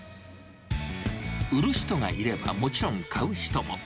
売る人がいればもちろん、買う人も。